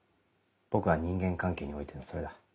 僕は人間関係においてのそれだ。